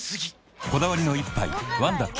こだわりの一杯「ワンダ極」